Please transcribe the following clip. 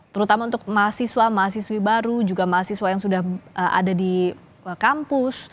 terutama untuk mahasiswa mahasiswi baru juga mahasiswa yang sudah ada di kampus